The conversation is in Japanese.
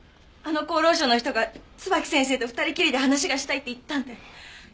あの厚労省の人が椿木先生と２人きりで話がしたいって言ったんで。